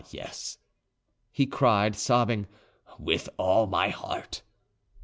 "Ah yes," he cried, sobbing, "with all my heart."